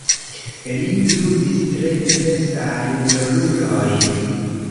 Li ludis tre diversajn rolulojn.